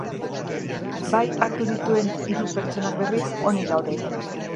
Bahi hartu dituen hiru pertsonak, berriz, onik daude.